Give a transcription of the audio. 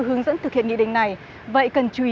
hướng dẫn thực hiện nghị định này vậy cần chú ý